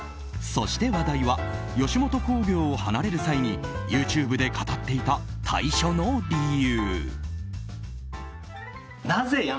そして話題は吉本興業を離れる際にＹｏｕＴｕｂｅで語っていた退所の理由。